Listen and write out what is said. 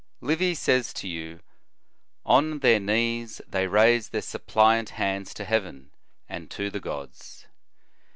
Livy says to you: "On their knees, they raised their suppliant hands to heaven, and to the gods."